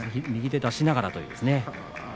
右で出しながらですね。